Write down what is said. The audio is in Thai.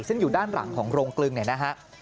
ซึ่งอยู่ด้านหลังของโรงกลึงเนี่ยนะฮะ